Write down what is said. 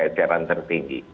ya tidak akan dapat harga tinggi